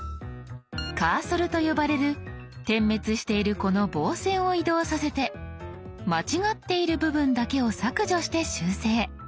カーソルと呼ばれる点滅しているこの棒線を移動させて間違っている部分だけを削除して修正。